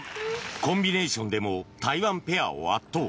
コンビネーションでも台湾ペアを圧倒。